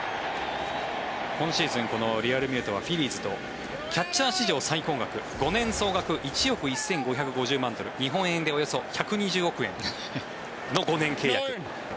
今シーズン、リアルミュートはフィリーズとキャッチャー史上最高額５年総額１億１５５０万ドル日本円でおよそ１２０億円の５年契約。